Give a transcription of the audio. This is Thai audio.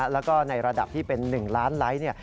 แล้วก็ในระดับที่เป็น๑ล้านไลค์